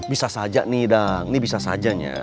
bisa saja nih dan ini bisa saja ya